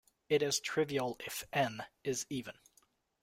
It is trivial if "n" is even.